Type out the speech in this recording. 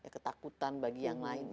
ketakutan bagi yang lain